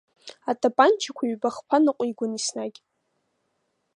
Атапанчақәа ҩба-хԥа ныҟәигон еснагь…